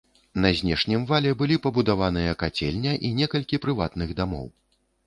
На знешнім вале былі пабудаваныя кацельня і некалькі прыватных дамоў.